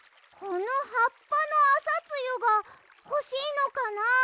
このはっぱのあさつゆがほしいのかな？